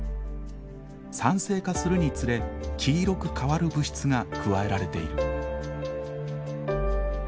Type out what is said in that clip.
酸性化するにつれ黄色く変わる物質が加えられている。